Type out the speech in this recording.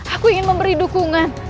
aku ingin memberi dukungan